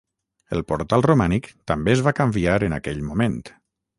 El portal romànic també es va canviar en aquell moment.